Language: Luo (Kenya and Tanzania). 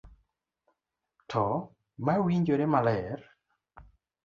to mawinjore maler.